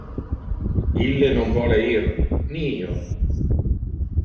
Ille non vole ir, ni io.